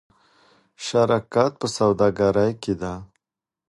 شراکت په سوداګرۍ کې ښه دی.